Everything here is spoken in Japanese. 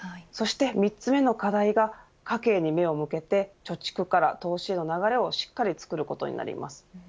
３つ目の課題が家計に目を向けて貯蓄から投資への流れをしっかり作ることです。